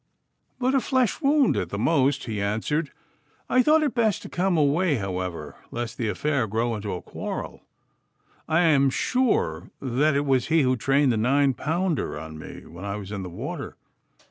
'But a flesh wound, at the most,' he answered. 'I thought it best to come away, however, lest the affair grow into a quarrel. I am sure that it was he who trained the nine pounder on me when I was in the water.